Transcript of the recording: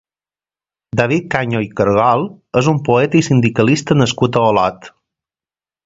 David Caño i Cargol és un poeta i sindicalista nascut a Olot.